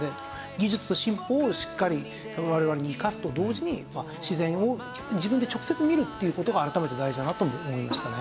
技術の進歩をしっかり我々に生かすと同時に自然をやっぱり自分で直接見るっていう事が改めて大事だなとも思いましたね。